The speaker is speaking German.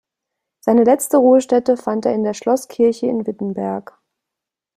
Seine letzte Ruhestätte fand er in der Schlosskirche in Wittenberg.